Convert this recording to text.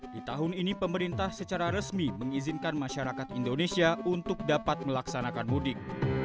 di tahun ini pemerintah secara resmi mengizinkan masyarakat indonesia untuk dapat melaksanakan mudik